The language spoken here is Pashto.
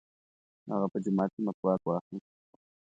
هغه په جومات کې مسواک واهه.